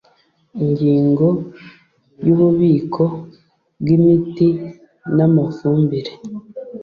ingingo ya ububiko bw imiti n amafumbire